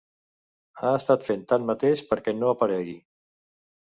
Ha estat fet tanmateix perquè no aparegui.